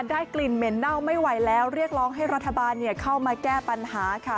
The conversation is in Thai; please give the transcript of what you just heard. กลิ่นเหม็นเน่าไม่ไหวแล้วเรียกร้องให้รัฐบาลเข้ามาแก้ปัญหาค่ะ